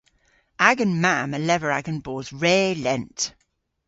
Agan mamm a lever agan bos re lent.